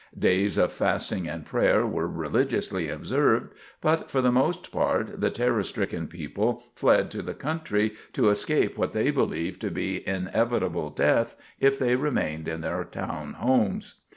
Days of fasting and prayer were religiously observed; but, for the most part, the terror stricken people fled to the country to escape what they believed to be inevitable death if they remained in their town homes.